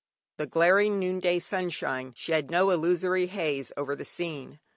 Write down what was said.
The glaring noonday sunshine shed no illusory haze over the scene.